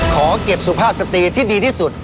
ขอเก็บสุภาพสตรีที่ดีที่สุด